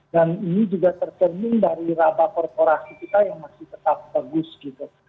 dan ini juga tercermin dari raba korporasi kita yang masih tetap bagus gitu